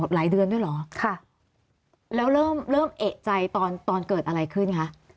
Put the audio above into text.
หลายเดือนด้วยเหรอค่ะแล้วเริ่มเริ่มเอกใจตอนตอนเกิดอะไรขึ้นคะ